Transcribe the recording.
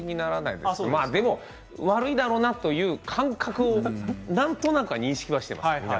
でも悪いなっていう感覚はなんとなく認識しています。